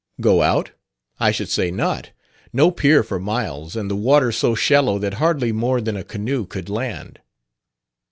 "Go out? I should say not. No pier for miles, and the water so shallow that hardly more than a canoe could land.